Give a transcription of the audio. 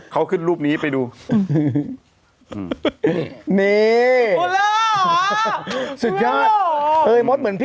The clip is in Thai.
เขาขึ้นรูปนี้ไปดู